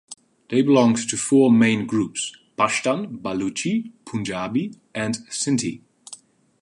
They belonged to four main groups: Pashtan, Baluchi, Punjabi, and Sindhi.